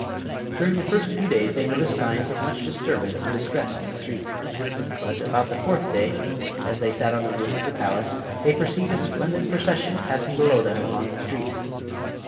During the first few days they noticed signs of much disturbance and distress in the streets, but about the fourth day, as they sat on the roof of the palace, they perceived a splendid procession passing below them along the street.